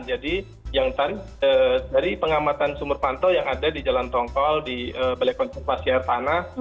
yang tadi dari pengamatan sumur pantau yang ada di jalan tongkol di balai konservasi air tanah